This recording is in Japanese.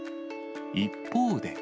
一方で。